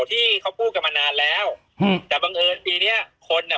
ที่เขาพูดกันมานานแล้วอืมแต่บังเอิญปีเนี้ยคนอ่ะ